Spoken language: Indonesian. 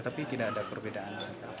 tetapi tidak ada perbedaan